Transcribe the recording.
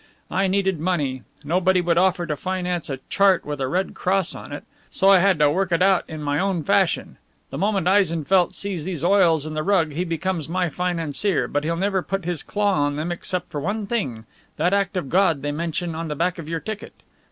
I needed money. Nobody would offer to finance a chart with a red cross on it. So I had to work it out in my own fashion. The moment Eisenfeldt sees these oils and the rug he becomes my financier, but he'll never put his claw on them except for one thing that act of God they mention on the back of your ticket.